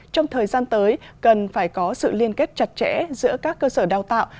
trong thời gian tới cần phải có sự liên kết chặt chẽ giữa các cơ sở đào tạo